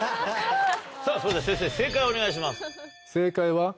さぁそれでは先生正解をお願いします。